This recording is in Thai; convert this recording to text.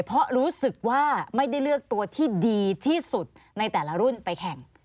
เพราะรู้สึกว่าไม่ได้เลือกตัวที่ดีที่สุดในแต่ละรุ่นไปแข่ง